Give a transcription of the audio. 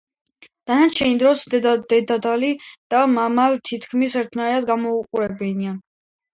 დანარჩენ დროს დედალი და მამალ თითქმის ერთნაირად გამოიყურებიან.